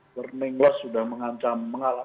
learning loss sudah mengancam mengalami